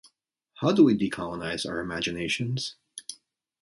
How do we decolonize our imaginations?